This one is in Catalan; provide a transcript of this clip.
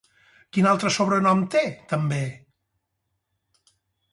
Quin altre sobrenom té també?